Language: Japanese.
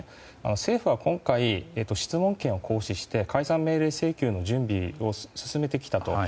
政府は今回、質問権を行使して解散命令請求の準備を進めてきたと。